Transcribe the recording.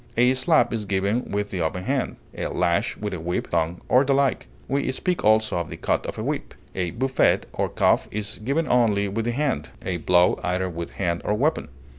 A slap is given with the open hand, a lash with a whip, thong, or the like; we speak also of the cut of a whip. A buffet or cuff is given only with the hand; a blow either with hand or weapon.